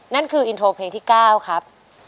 นั่นคืออินโทรเพลงที่๙ครับ